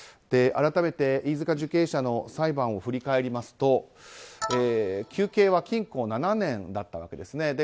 改めて飯塚受刑者の裁判を振り返りますと求刑は禁錮７年だったわけですね。